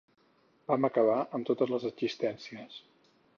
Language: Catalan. Vam acabar amb totes les existències.